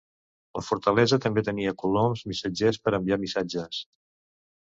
La fortalesa també tenia coloms missatgeres per enviar missatges.